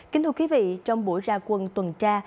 kính thưa quý vị trong buổi ra quân tuần tra